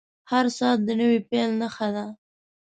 • هر ساعت د نوې پیل نښه ده.